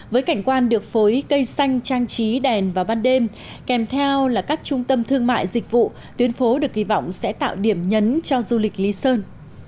với cảnh quan được phối cây xanh trang trí đèn vào ban đêm kèm theo là các trung tâm thương mại dịch vụ tuyến phố được kỳ vọng sẽ tạo điểm nhấn cho du lịch lý sơn